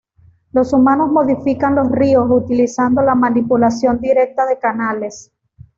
Los humanos modifican los ríos utilizando la manipulación directa de canales.